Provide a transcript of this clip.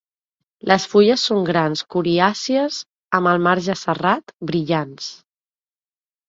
Les fulles són grans, coriàcies, amb el marge serrat, brillants.